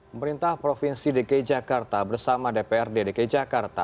pemerintah provinsi dki jakarta bersama dprd dki jakarta